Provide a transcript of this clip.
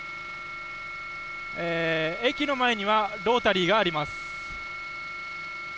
駅の前にはロータリーがあります。